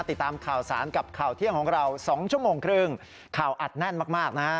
ติดตามข่าวสารกับข่าวเที่ยงของเราสองชั่วโมงครึ่งข่าวอัดแน่นมากมากนะฮะ